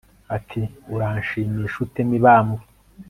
ati uranshimisha ute mibambwe